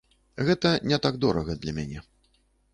Гэта не так дорага для мяне.